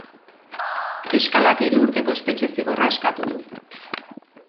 Fiskalak hiru urteko espetxe-zigorra eskatu du.